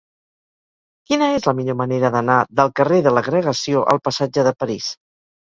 Quina és la millor manera d'anar del carrer de l'Agregació al passatge de París?